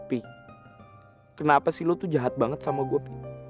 pi kenapa sih lo tuh jahat banget sama gue pi